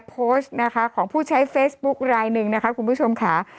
โพสต์นะคะของผู้ใช้เฟซบุ๊คลายหนึ่งนะคะคุณผู้ชมค่ะ